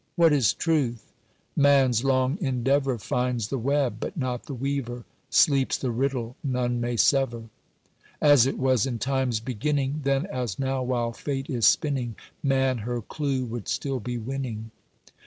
What is Truth? Man's long endeavour Finds the web but not the weaver: Sleeps the riddle none may sever. As it was in Time's beginning, Then, as now, while Fate is spinning Man her clue would still be winning.